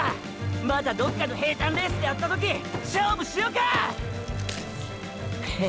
またどっかの平坦レースで会った時勝負しよか⁉ヘッ。